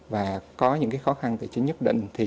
và có những khó khăn tài chính nhất định